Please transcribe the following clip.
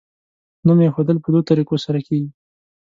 نوم ایښودل په دوو طریقو سره کیږي.